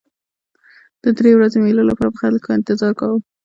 د دې درې ورځو مېلو لپاره به خلکو انتظار کاوه.